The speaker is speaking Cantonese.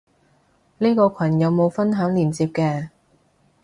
呢個羣有冇分享連接嘅？